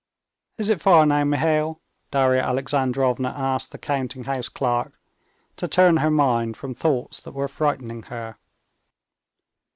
"Is it far now, Mihail?" Darya Alexandrovna asked the counting house clerk, to turn her mind from thoughts that were frightening her.